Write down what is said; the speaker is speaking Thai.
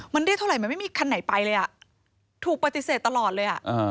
มันเรียกเท่าไหร่มันไม่มีคันไหนไปเลยถูกปฏิเสธตลอดเลย